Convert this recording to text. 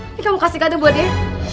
ini kamu kasih kado buat dia